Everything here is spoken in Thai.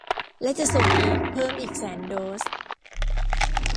และจะส่งอีกเพิ่มอีกแสนโดส